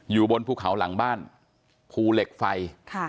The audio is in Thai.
อยู่บนภูเขาหลังบ้านภูเหล็กไฟ